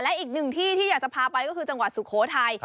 และอีกหนึ่งที่ที่อยากจะพาไปก็คือจังหวัดสุโขทัย